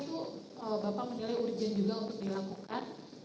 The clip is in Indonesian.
apakah itu bapak menilai urgent juga untuk dilakukan